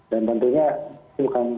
dan tentunya bukan